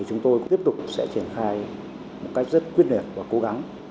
chúng tôi tiếp tục sẽ triển khai một cách rất quyết liệt và cố gắng